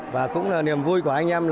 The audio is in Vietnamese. và cũng là niềm vui của anh em